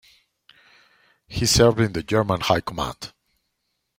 He served in the German High Command.